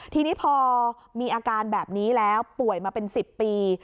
ทีนี้พอมีอาการแบบนี้แล้วป่วยมาเป็น๑๐ปี